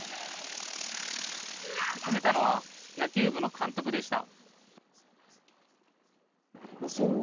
勧めたのは、野球部の監督でした。